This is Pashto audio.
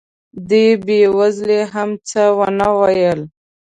دې بې وزلې هم څه ونه ویل.